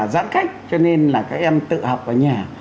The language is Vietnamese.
giãn cách cho nên là các em tự học ở nhà